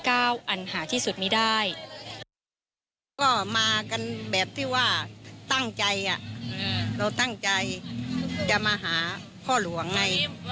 เราตั้งใจจะมาหาพ่อหลวงได้